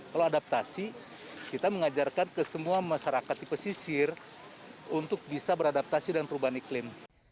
kalau adaptasi kita mengajarkan ke semua masyarakat di pesisir untuk bisa beradaptasi dengan perubahan iklim